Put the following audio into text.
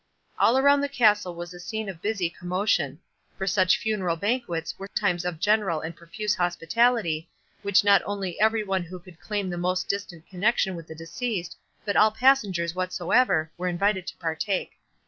All around the castle was a scene of busy commotion; for such funeral banquets were times of general and profuse hospitality, which not only every one who could claim the most distant connexion with the deceased, but all passengers whatsoever, were invited to partake.